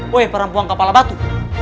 woy perempuan kepala batu